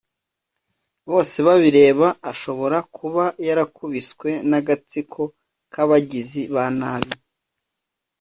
bosebabireba ashobora kuba yarakubiswe n'agatsiko k'abagizi ba nabi